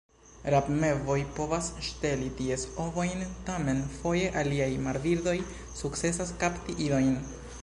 Rabmevoj povas ŝteli ties ovojn; tamen, foje aliaj marbirdoj sukcesas kapti idojn.